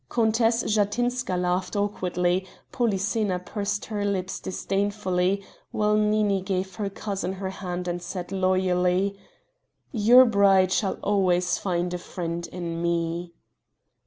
Countess Jatinska laughed awkwardly, Polyxena pursed her lips disdainfully while Nini gave her cousin her hand and said loyally: "Your bride shall always find a friend in me."